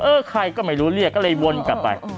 ใครก็ไม่รู้เรียกก็เลยวนกลับไป